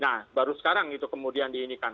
nah baru sekarang itu kemudian diinikan